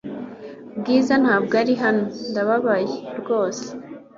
Bwiza ntabwo ari hano, ndababaye rwose .